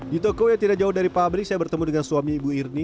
di toko yang tidak jauh dari pabrik saya bertemu dengan suami ibu irni